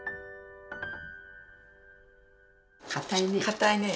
かたいね。